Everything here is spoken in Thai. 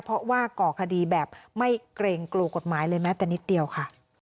เพราะว่าก่อคดีแบบไม่เกรงกลัวกฎหมายเลยแม้แต่นิดเดียวค่ะ